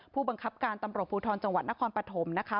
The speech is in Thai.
ผู้บังคับการตำรวจภูทรจังหวัดนครปฐมนะคะ